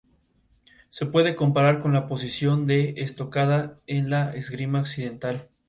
Heridas fatales o serias son prácticamente imposibles.